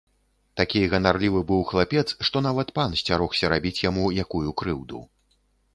Такі ганарлівы быў хлапец, што нават пан сцярогся рабіць яму якую крыўду.